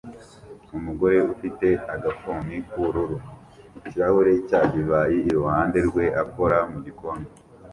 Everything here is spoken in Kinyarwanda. Umugore ufite agafuni k'ubururu - ikirahure cya divayi iruhande rwe - akora mu gikoni